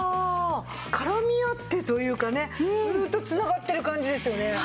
絡み合ってというかねずっと繋がってる感じですよね。